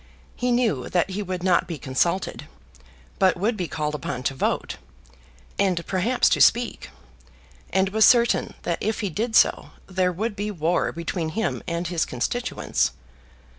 He knew that he would not be consulted, but would be called upon to vote, and perhaps to speak; and was certain that if he did so, there would be war between him and his constituents.